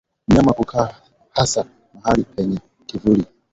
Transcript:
Mnyama kukaa hasa mahali penye kivuli